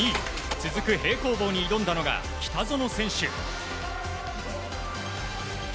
続く平行棒に挑んだのが北園選手。